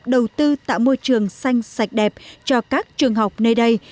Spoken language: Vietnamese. đầu tư tạo môi trường xanh sạch đẹp cho các trường học nơi đây